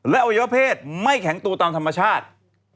และอวัยวเพศไม่แข็งตัวตามธรรมชาติ